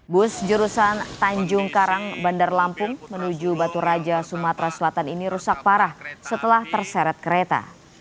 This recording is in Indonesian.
bus jurusan tanjung karang bandar lampung menuju batu raja sumatera selatan ini rusak parah setelah terseret kereta